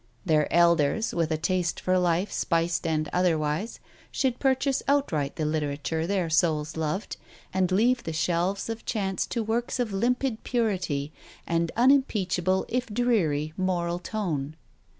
Their elders, with a taste for life, spiced and otherwise, should purchase outright the literature their souls loved, and leave the shelves of chance to works of limpid purity and unimpeachable if dreary moral tone.